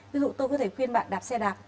ví dụ tôi có thể khuyên bạn đạp xe đạp